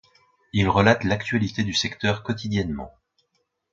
Il relate l'actualité du secteur quotidiennement.